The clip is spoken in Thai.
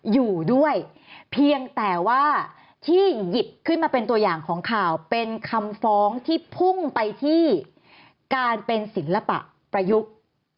อยู่ด้วยเพียงแต่ว่าที่หยิบขึ้นมาเป็นตัวอย่างของข่าวเป็นคำฟ้องที่พุ่งไปที่การเป็นศิลปะประยุกต์